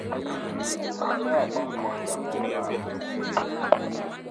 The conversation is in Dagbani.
Paɣi miya kom puhi jiŋli diba anu ŋɔ.